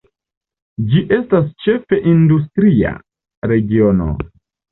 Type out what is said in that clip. Gi estas ĉefe industria regiono.